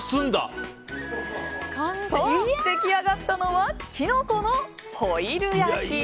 そう、出来上がったのはキノコのホイル焼き。